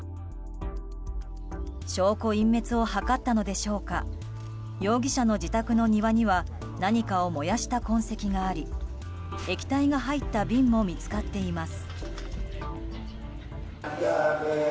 証拠隠滅を図ったのでしょうか容疑者の自宅の庭には何かを燃やした痕跡があり液体が入った瓶も見つかっています。